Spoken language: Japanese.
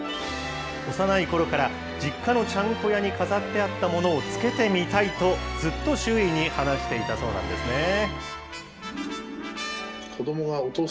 幼いころから実家のちゃんこ屋に飾ってあったものをつけてみたいと、ずっと周囲に話していたそうなんですね。